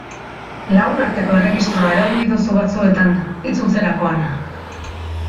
Lagunarteko erregistroa erabili duzu batzuetan, itzultzerakoan.